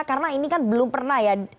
karena ini kan belum pernah ya